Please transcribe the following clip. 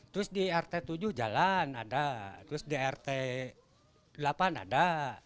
terus di rt tujuh jalan ada terus di rt delapan ada